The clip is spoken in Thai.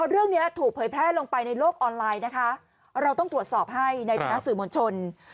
เรื่องนี้ถูกผลแพร่ลงไปโลกออนไลน์เราต้องตรวจสอบให้ในธนาศิบย์มวลชน